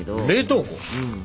冷凍庫？